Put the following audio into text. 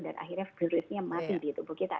dan akhirnya virusnya mati di tubuh kita